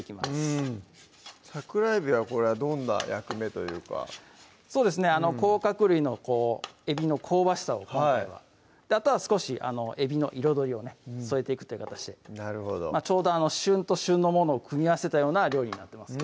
うん桜えびはこれはどんな役目というかそうですね甲殻類のえびの香ばしさを今回はあとは少しえびの彩りをね添えていくという形でなるほどちょうど旬と旬のものを組み合わせたような料理になってます